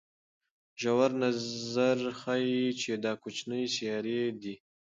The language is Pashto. ژور نظر ښيي چې دا کوچنۍ سیارې دي.